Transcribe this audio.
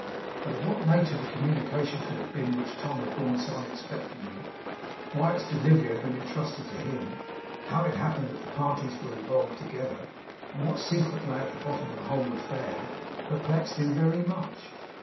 But of what nature the communication could have been which Tom had borne so unexpectedly; why its delivery had been entrusted to him; how it happened that the parties were involved together; and what secret lay at the bottom of the whole affair; perplexed him very much.